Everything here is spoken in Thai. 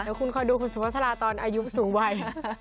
เนี่ยคุณคอยดูครูสุพธราตอนอายุสูงวัย